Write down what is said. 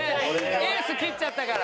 エース切っちゃったから。